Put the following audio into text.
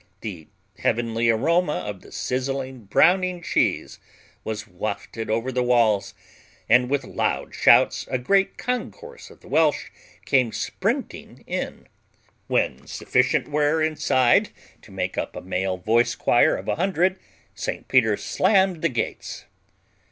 The heavenly aroma of the sizzling, browning cheese was wafted over the walls and, with loud shouts, a great concourse of the Welsh came sprinting in. When sufficient were inside to make up a male voice choir of a hundred, St Peter slammed the gates.